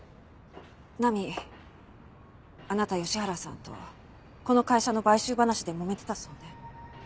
菜美あなた吉原さんとこの会社の買収話でもめてたそうね。